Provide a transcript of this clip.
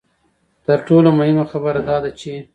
تر ټولو مهمه خبره دا ده چې.